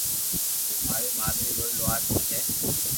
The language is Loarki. مارو مادري ٻولي لوھارڪي ھي